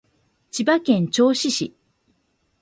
千葉県銚子市